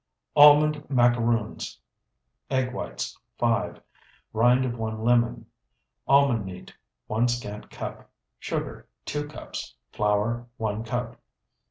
ALMOND MACAROONS Egg whites, 5. Rind of 1 lemon. Almond meal, 1 scant cup. Sugar, 2 cups. Flour, 1 cup.